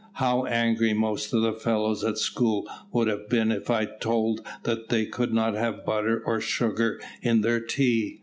How angry most of the fellows at school would have been if told that they could not have butter, or sugar in their tea.